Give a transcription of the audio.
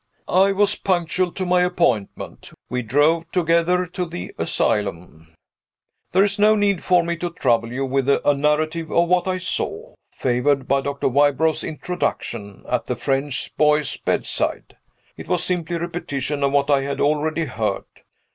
I was punctual to my appointment. We drove together to the asylum. There is no need for me to trouble you with a narrative of what I saw favored by Doctor Wybrow's introduction at the French boy's bedside. It was simply a repetition of what I had already heard.